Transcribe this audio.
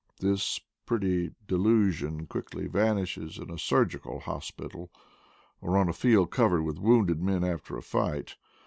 This pretty delusion quickly vanishes in a surgical hospital, or on a field covered with wounded men after a fight.